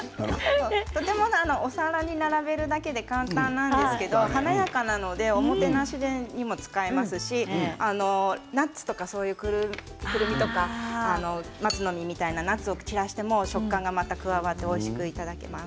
お皿に並べるだけで簡単なんですけど華やかなのでおもてなしにも使えますしナッツとか、くるみとか松の実みたいなナッツを散らしても食感が加わっておいしくいただけます。